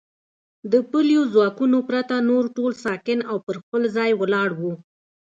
د پلیو ځواکونو پرته نور ټول ساکن او پر خپل ځای ولاړ و.